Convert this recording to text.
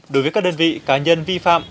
đối với các đơn vị cá nhân vi phạm